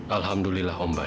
alhamdulillah om baik